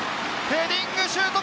ヘディングシュート！